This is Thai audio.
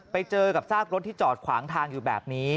ไปเจอกับซากรถที่จอดขวางทางอยู่แบบนี้